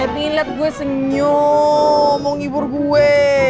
tapi liat gue senyum mau nghibur gue